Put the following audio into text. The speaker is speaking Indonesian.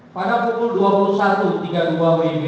pada pukul dua puluh satu tiga puluh dua wib